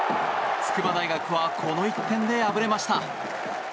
筑波大学はこの１点で敗れました。